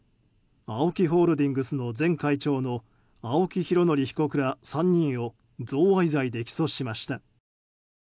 ＡＯＫＩホールディングスの前会長の青木拡憲被告ら３人を贈賄罪で起訴しました。